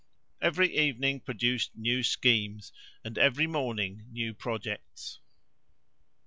Every evening produced new schemes, and every morning new projects.